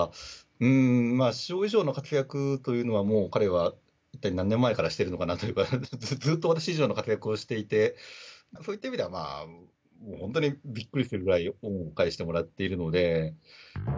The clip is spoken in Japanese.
うーん、まあ、師匠以上の活躍というのは、もう、彼は一体何年前からしているのかなというか、ずっと私以上の活躍をしていて、そういった意味では、もう本当にびっくりするくらい恩を返してもらっているので。